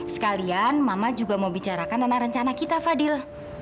sekalian mama juga mau bicarakan tentang rencana kita fadil